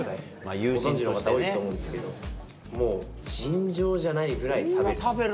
ご存じの方、多いと思うんですけれども、もう尋常じゃないぐらい食べる。